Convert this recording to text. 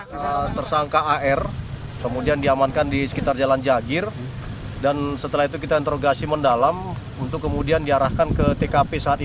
tim inafis polresta besurabaya yang mendatangi lokasi langsung melakukan olah tempat kejadian perkara untuk mencari barang bukti dan petunjuk